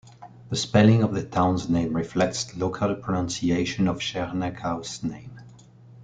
The spelling of the town's name reflects local pronunciation of Scherneckau's name.